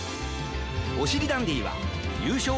おしりダンディはゆうしょう